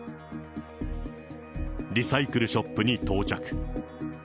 リサイクルショップに到着。